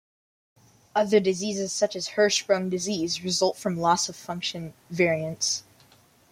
Other diseases, such as Hirschsprung disease, result from loss-of-function variants.